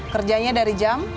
kerjanya dari jam